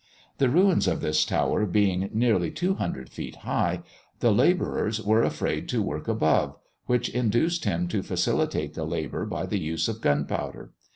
The ruins of this tower being nearly two hundred feet high, the labourers were afraid to work above, which induced him to facilitate the labour by the use of gunpowder.